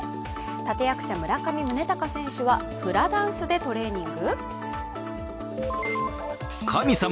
立て役者、村上宗隆選手はフラダンスでトレーニング？